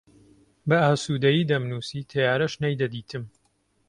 بە ئاسوودەیی دەمنووسی، تەیارەش نەیدەدیتم